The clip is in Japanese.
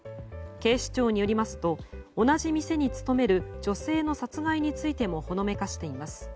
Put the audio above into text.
警視庁によりますと同じ店に勤める女性の殺害についてもほのめかしています。